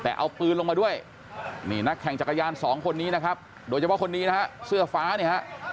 แต่เอาปืนลงมาด้วยนี่นักแข่งจักรยานสองคนนี้นะครับโดยเฉพาะคนนี้นะฮะเสื้อฟ้าเนี่ยฮะ